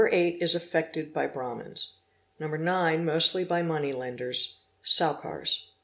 8 1s affected by Brahmins. No. 9 mostly by money lenders (Sowcars).